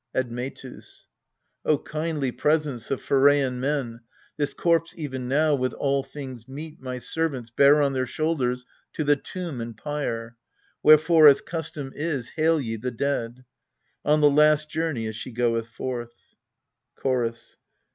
Admetus. O kindly presence of Pheraian men, This corpse even now, with all things meet, my ser vants Bear on their shoulders to the tomb and pyre. Wherefore, as custom is, hail ye the dead, On the last journey as she goeth forth. Chorus.